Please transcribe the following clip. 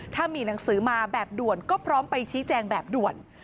ถ้ามีหนังสือมาแบบด่วนก็พร้อมไปชี้แจงแบบด่วน